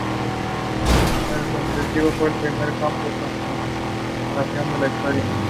Posee un Ph.D., de la Harvard University.